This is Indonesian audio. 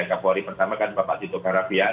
kapolri pertama kan bapak tito karnavian